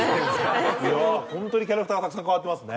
ホントにキャラクターがたくさん変わってますね。